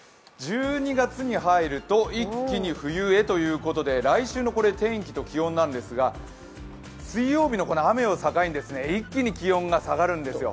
１２月に入ると一気に冬へということで来週の天気と気温なんですが水曜日の雨を境に一気に気温が下がるんですよ。